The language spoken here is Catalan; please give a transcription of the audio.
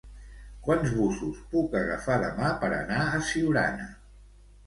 Quants busos puc agafar demà per anar a Siurana?